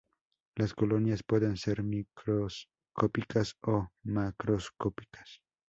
Las colonias pueden ser microscópicas o macroscópicas.